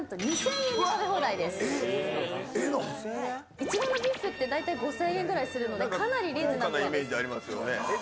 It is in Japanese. いちごのスイーツって５０００円くらいするので、かなりリーズナブルな感じです。